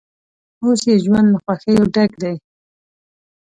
اوس یې ژوند له خوښیو ډک دی.